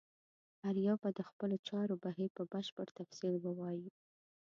هر یو به د خپلو چارو بهیر په بشپړ تفصیل ووایي.